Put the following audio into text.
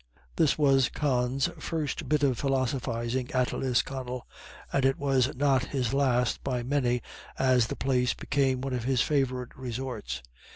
This was Con's first bit of philosophising at Lisconnel, and it was not his last by many, as the place became one of his favourite resorts.